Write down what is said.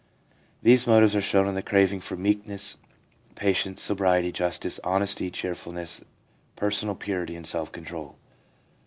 These motives are shown in the craving for meekness, patience, sobriety, justice, honesty, cheerfulness, per sonal purity and self control.